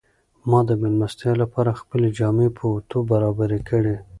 ما د مېلمستیا لپاره خپلې جامې په اوتو برابرې کړې.